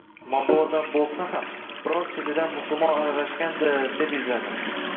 Moldovadan bo‘lsa ham, biror chetidan musulmon aralashgandir deb izladim.